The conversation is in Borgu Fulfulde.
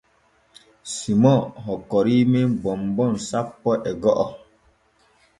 Simon hokkorii men bonbon sappo e go’o.